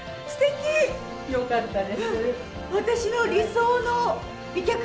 よかったです。